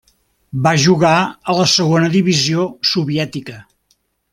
Va jugar a la segona divisió soviètica.